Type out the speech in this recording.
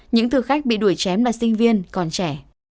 những thực khách bị đuổi chém là sinh viên còn trẻ